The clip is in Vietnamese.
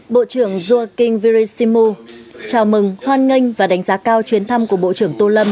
bộ trưởng joaquin verisimu chào mừng hoan nghênh và đánh giá cao chuyến thăm của bộ trưởng tô lâm